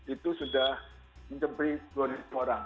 itu sudah menjemput dua puluh orang